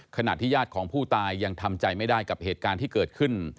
ขณะที่ญาติของผู้ตายยังทำใจไม่ได้กับเหตุการณ์ที่เกิดขึ้น